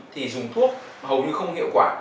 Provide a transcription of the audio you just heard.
thì dùng thuốc hầu như không hiệu quả